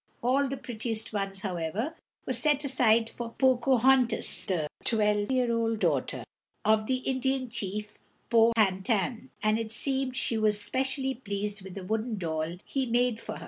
All the prettiest ones, however, were set aside for Po ca hon´tas, the twelve year old daughter of the Indian chief Pow ha tan´; and it seems she was specially pleased with the wooden doll he made for her.